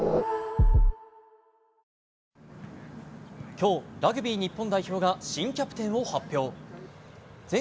今日、ラグビー日本代表が新キャプテンを発表。